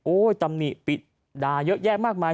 โอ้ยตำนิปิดด่าเยอะแยกมากมาย